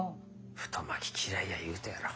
太巻き嫌いや言うたやろ。